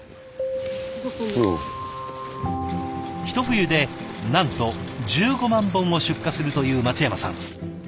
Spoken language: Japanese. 一冬でなんと１５万本を出荷するという松山さん。